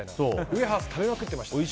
ウエハース、食べまくってました。